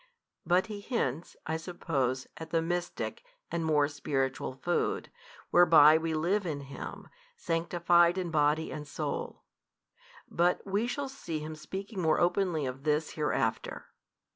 But He hints, I suppose, at the Mystic and more Spiritual Food, whereby we live in Him, sanctified in body and soul. But we shall see Him speaking more openly of this hereafter.